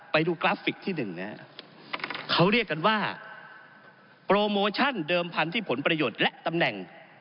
ไปดูกราฟิกที่หนึ่งนะครับเขาเรียกกันว่าโปรโมชั่นเดิมพันธุ์ที่ผลประโยชน์และตำแหน่ง